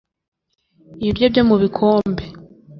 ibiryo byo mu bikombe